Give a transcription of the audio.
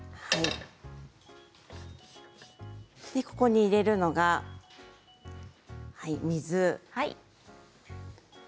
ここに入れるのが水。